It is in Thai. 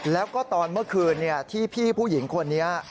แล้วก็ตอนเมื่อคืนที่พี่ผู้หญิงคนนี้